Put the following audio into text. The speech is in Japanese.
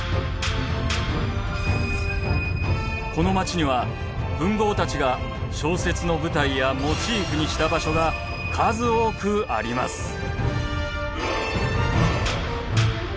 この町には文豪たちが小説の舞台やモチーフにした場所が数多くあります。